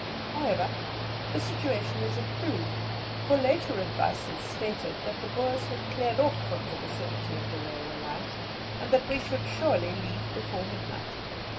However, the situation was improved, for later advices stated that the Boers had cleared off from the vicinity of the railway line, and that we should surely leave before midnight.